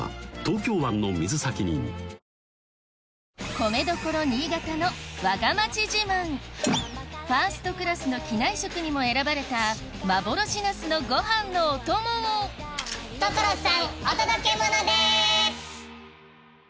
米どころ新潟のわが町自慢ファーストクラスの機内食にも選ばれた幻なすのご飯のお供を所さんお届けモノです！